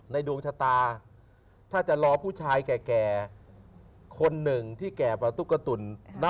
ในดวงชะตาถ้าจะล้าผู้ชายแก่คนหนึ่งที่แก่ตุกตุ่น